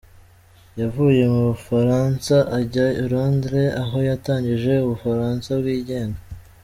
Yavuye mu Bufaransa ajya i Londres aho yatangije u Bufaransa bwigenga.’’